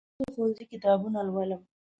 زه د ښوونځي کتابونه لولم.